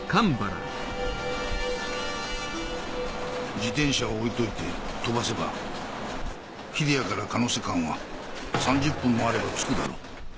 自転車を置いておいてとばせば日出谷から鹿瀬間は３０分もあれば着くだろう。